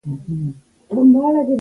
حال دا چې په "ز" لیکل شوی وای.